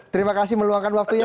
terima kasih meluangkan waktunya